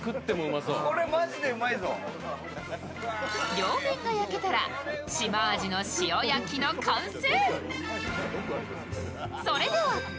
両面が焼けたら、シマアジの塩焼きの完成。